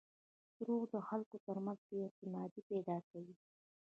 • دروغ د خلکو ترمنځ بېاعتمادي پیدا کوي.